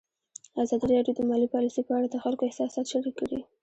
ازادي راډیو د مالي پالیسي په اړه د خلکو احساسات شریک کړي.